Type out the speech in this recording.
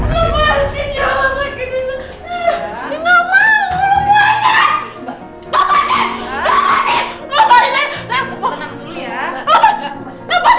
ayah siapa sih